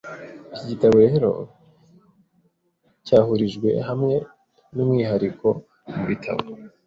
Iki gitabo rero cyahurijwe hamwe ni umwihariko mu bitabo